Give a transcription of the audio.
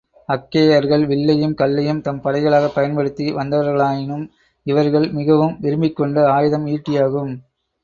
அக்கேயர்கள் வில்லையும் கல்லையும் தம் படைகளாகப் பயன்படுத்தி வந்தவர்களாயினும், இவர்கள் மிகவும் விரும்பிக் கொண்ட ஆயுதம் ஈட்டியாகும்.